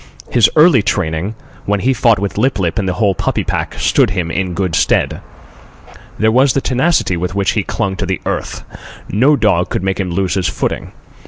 His early training, when he fought with Lip lip and the whole puppy pack, stood him in good stead. There was the tenacity with which he clung to the earth. No dog could make him lose his footing.